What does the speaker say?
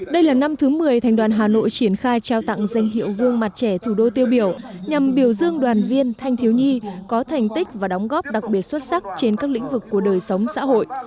đây là năm thứ một mươi thành đoàn hà nội triển khai trao tặng danh hiệu gương mặt trẻ thủ đô tiêu biểu nhằm biểu dương đoàn viên thanh thiếu nhi có thành tích và đóng góp đặc biệt xuất sắc trên các lĩnh vực của đời sống xã hội